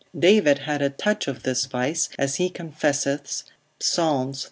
David had a touch of this vice, as he confesseth, Psal.